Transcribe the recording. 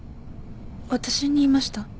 私に言いました？